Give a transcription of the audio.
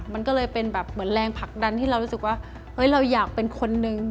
มันก็เลยเป็นแบบเหมือนแรงผลักดันที่เรารู้สึกว่าเฮ้ยเราอยากเป็นคนนึง